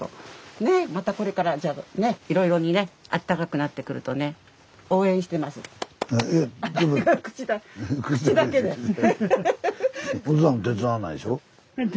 ねえまたこれからねっいろいろにねあったかくなってくるとね口だけで！